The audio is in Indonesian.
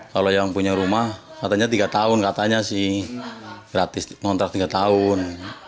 kalau yang punya rumah katanya tiga tahun katanya sih gratis ngontrak tiga tahun